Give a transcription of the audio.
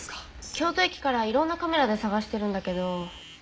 京都駅からいろんなカメラで捜してるんだけど。